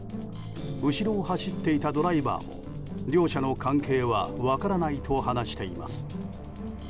後ろを走っていたドライバーも両者の関係は分からないと話しています。